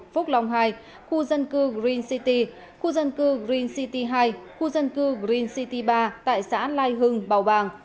phúc long hai khu dân cư green city khu dân cư green city hai khu dân cư green city ba tại xã lai hưng bào bàng